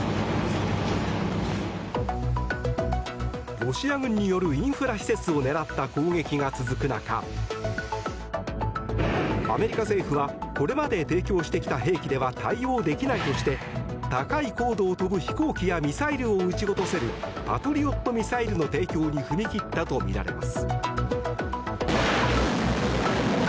ロシア軍によるインフラ施設を狙った攻撃が続く中アメリカ政府はこれまで提供してきた兵器では対応できないとして高い高度を飛ぶ飛行機やミサイルを撃ち落とせるパトリオットミサイルの提供に踏み切ったとみられます。